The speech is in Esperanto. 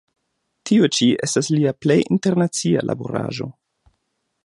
Tiu ĉi estas lia plej internacia laboraĵo.